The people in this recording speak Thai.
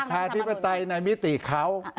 ประชาธิในมิติเขา